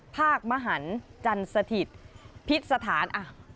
ภาคมหันจันสถิตพิษฐาน